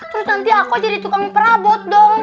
terus nanti aku jadi tukang perabot dong